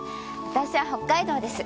私は北海道です。